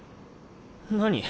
何？